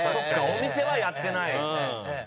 お店はやってない。